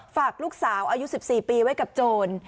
ฝากลูกสาวอายุ๑๔ปีไว้กับโจร